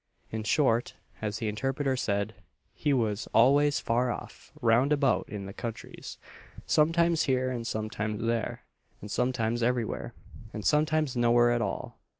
In short, as the interpreter said, he was "always far off, round about in the countries sometimes here, and sometimes there, sometimes everywhere, and sometimes nowhere at all."